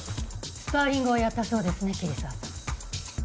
スパーリングをやったそうですね桐沢さん。